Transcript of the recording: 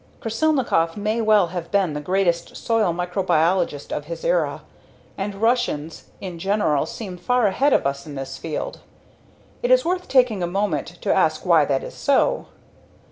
Krasilnikov may well have been the greatest soil microbiologist of his era, and Russians in general seem far ahead of us in this field. It is worth taking a moment to ask why that is so.